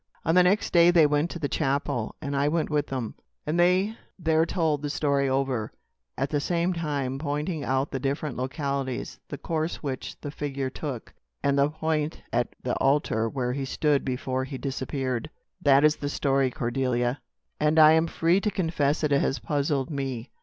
"On the next day they went to the chapel; and I went with them; and they there told the story over, at the same time pointing out the different localities the course which the figure took and the point at the altar where he stood before he disappeared. "That is the story, Cordelia. And I am free to confess it has puzzled me.